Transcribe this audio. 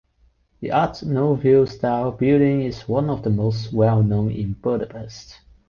The Art Nouveau style building is one of the most well known in Budapest.